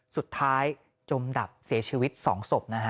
สุดท้ายจมดับเสียชีวิต๒ศพนะฮะ